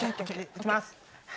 いきます。